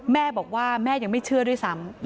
แม่บอกว่าแม่ยังไม่เชื่อด้วยซ้ำ